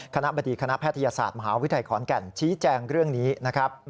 คณะบดีคณะแพทยศาสตร์มหาวิทยาลัยขอนแก่นชี้แจงเรื่องนี้นะครับ